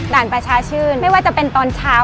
ประชาชื่นไม่ว่าจะเป็นตอนเช้า